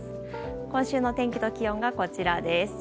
今週の天気と気温がこちらです。